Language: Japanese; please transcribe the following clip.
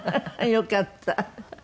よかった。